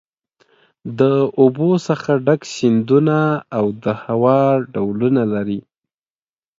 د اوبو څخه ډک سیندونه او د هوا ډولونه لري.